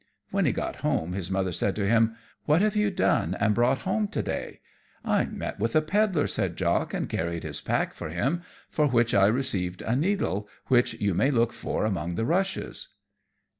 When he got home his Mother said to him, "What have you done, and brought home to day?" "I met with a pedler," said Jock, "and carried his pack for him, for which I received a needle, which you may look for among the rushes."